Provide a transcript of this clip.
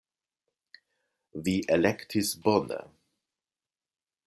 Vi elektis bone!